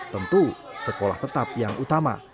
tentu sekolah tetap yang utama